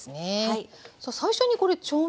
はい。